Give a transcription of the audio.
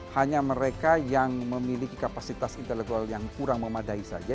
hanya mereka yang memiliki kapasitas intelektual yang kurang memadai saja